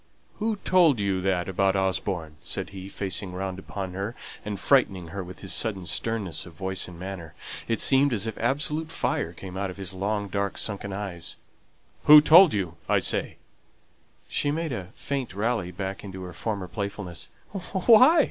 "Who told you that about Osborne?" said he, facing round upon her, and frightening her with his sudden sternness of voice and manner. It seemed as if absolute fire came out of his long dark sombre eyes. "Who told you, I say?" She made a faint rally back into her former playfulness. "Why?